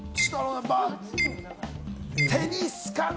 テニスかな？